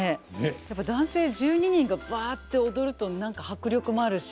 やっぱり男性１２人がぶわって踊ると何か迫力もあるし。